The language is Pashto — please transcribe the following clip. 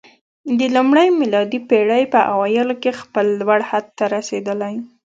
د لومړۍ میلادي پېړۍ په اوایلو کې خپل لوړ حد ته رسېدلی